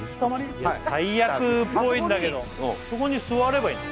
最悪っぽいんだけどそこに座ればいいの？